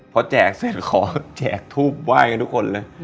พอแจกเสร็จขอแจกทูบไหว้กันทุกคนเลย